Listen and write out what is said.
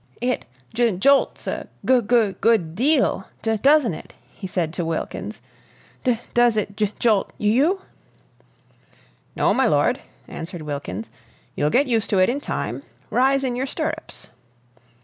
"It j jolts a g goo good deal do doesn't it?" he said to Wilkins. "D does it j jolt y you?" "No, my lord," answered Wilkins. "You'll get used to it in time. Rise in your stirrups."